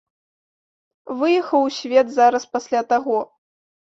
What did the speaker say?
Выехаў у свет зараз пасля таго.